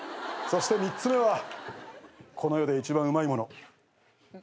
そして３つ目はこの世で１番うまいもの。